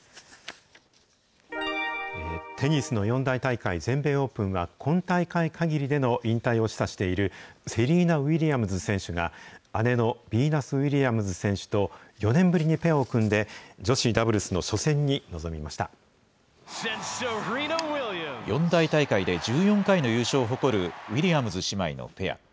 テニスの四大大会、全米オープンは、今大会かぎりでの引退を示唆している、セリーナ・ウィリアムズ選手が、姉のビーナス・ウィリアムズ選手と４年ぶりにペアを組んで、女子四大大会で１４回の優勝を誇る、ウィリアムズ姉妹のペア。